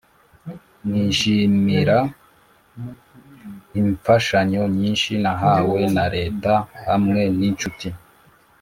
Nishimiara imfashanyo nyinshi nahawe na leta hamwe n’incuti